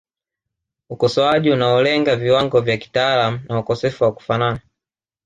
Ukosoaji unaolenga viwango vya kitaalamu na ukosefu wa kufanana